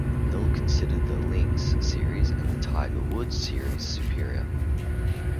Hill considered the "Links" series and the "Tiger Woods" series superior.